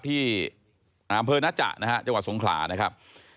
ที่วัดทรงขลานะครับ